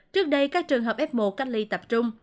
trước đây các trường hợp f một cách ly tập trung